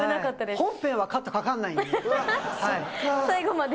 本編はカットかからないんで。